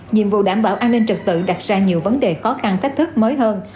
nhiệm vụ đảm bảo an ninh trật tự đặt ra nhiều vấn đề khó khăn thách thức mới hơn